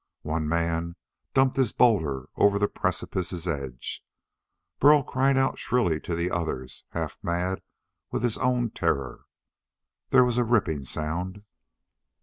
One man dumped his boulder over the precipice's edge. Burl cried out shrilly to the others, half mad with his own terror. There was a ripping sound.